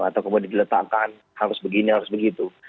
atau kemudian diletakkan harus begini harus begitu